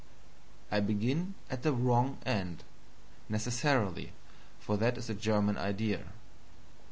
I begin at the wrong end, necessarily, for that is the German idea.